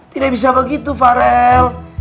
tidak bisa begitu farel